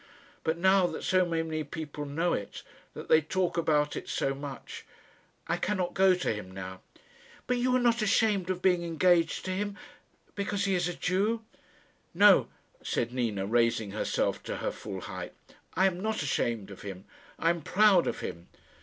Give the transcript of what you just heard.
But now that so many people know it that they talk about it so much I cannot go to him now." "But you are not ashamed of being engaged to him because he is a Jew?" "No," said Nina, raising herself to her full height; "I am not ashamed of him. I am proud of him.